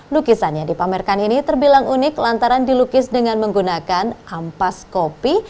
lukisan yang dipamerkan ini terbilang unik lantaran dilukis dengan menggunakan ampas kopi